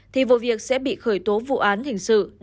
thì vụ việc sẽ bị khởi tố hình sự